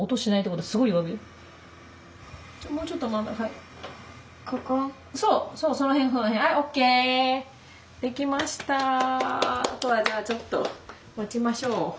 あとはじゃあちょっと待ちましょう。